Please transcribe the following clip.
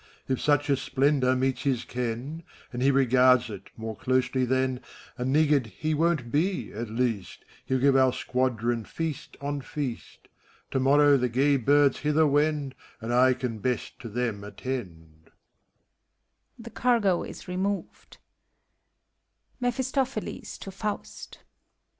If sneh a splendor Meets his ken, And he regards it More dosely then, A niggard he Won't be, at least : Hell give onr squadron Feast on feast. To morrow the gay birds hither wend. And I can best to them attend.